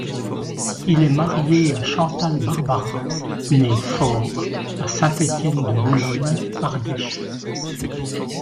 Il est marié à Chantal Barbara, née Faure à Saint-Étienne-de-Boulogne, Ardèche.